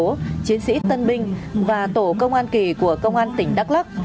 công an các huyện thị xã thành phố chiến sĩ tân binh và tổ công an kỳ của công an tỉnh đắk lắc